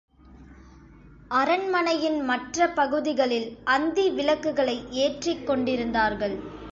அரண்மனையின் மற்ற பகுதிகளில் அந்தி விளக்குகளை ஏற்றிக்கொண்டிருந்தார்கள்.